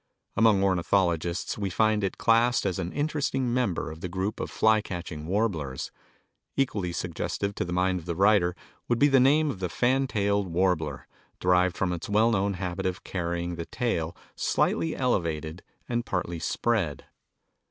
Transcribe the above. Among ornithologists we find it classed as an interesting member of the group of fly catching warblers. Equally suggestive to the mind of the writer would be the name of the fan tailed warbler, derived from its well known habit of carrying the tail slightly elevated and partly spread.